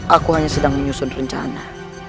aku hanya sedang menyusun rencana